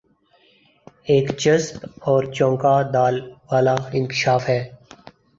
ایک چسپ اور چونکا د والا انکشاف ہے